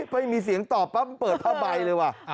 ไม่มีเสียงตอบปั๊บเปิดผ้าใบเลยว่ะ